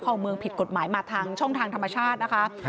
เมืองผิดกฎหมายมาทางช่องทางธรรมชาตินะคะ